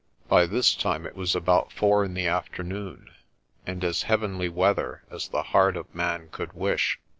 By this time it was about four in the afternoon, and as heavenly weather as the heart of man could wish.